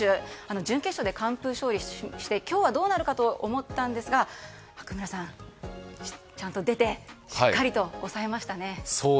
準決勝で完封勝利をして今日はどうかと思ったんですが白村さん、ちゃんと出てしっかりと抑えましたね。